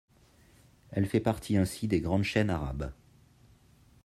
Elle fait partie ainsi des grandes chaînes arabes.